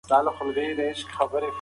که کور وي نو کورنۍ نه جلا کیږي.